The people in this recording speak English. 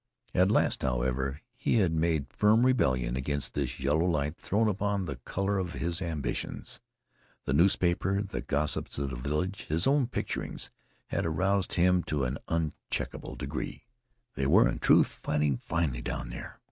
At last, however, he had made firm rebellion against this yellow light thrown upon the color of his ambitions. The newspapers, the gossip of the village, his own picturings had aroused him to an uncheckable degree. They were in truth fighting finely down there.